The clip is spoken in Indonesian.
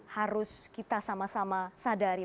harus kita sama sama sadari